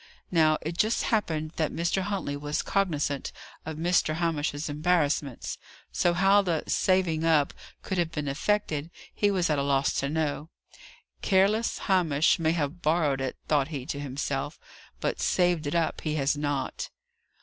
Now, it just happened that Mr. Huntley was cognizant of Mr. Hamish's embarrassments; so, how the "saving up" could have been effected, he was at a loss to know. "Careless Hamish may have borrowed it," thought he to himself, "but saved it up he has not."